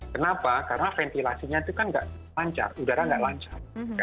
kenapa karena ventilasinya itu kan nggak lancar udara nggak lancar